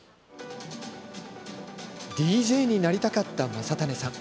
ＤＪになりたかった将胤さん。